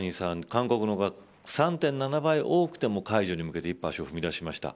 韓国の方が３．７倍多くても解除に向けて一歩足を踏み出しました。